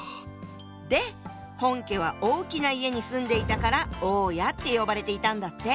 で本家は大きな家に住んでいたから「大家」って呼ばれていたんだって。